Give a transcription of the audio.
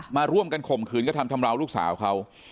มาร่วมกันคมขืนกระทำแล้วลูกสาวเขา